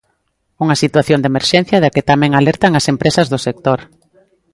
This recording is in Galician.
Unha situación de emerxencia da que tamén alertan as empresas do sector.